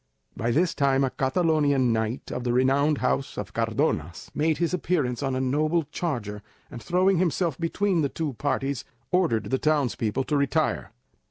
By this time a Catalonian knight of the renowned House of Cardonas, made his appearance on a noble charger, and, throwing himself between the two parties, ordered the townspeople to retire.